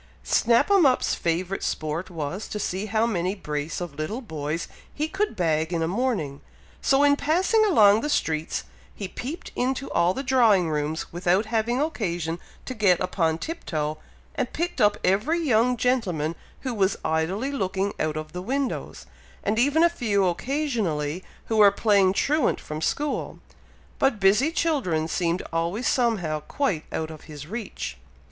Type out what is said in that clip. Snap 'em up's favourite sport was, to see how many brace of little boys he could bag in a morning; so in passing along the streets, he peeped into all the drawing rooms without having occasion to get upon tiptoe, and picked up every young gentleman who was idly looking out of the windows, and even a few occasionally who were playing truant from school, but busy children seemed always somehow quite out of his reach.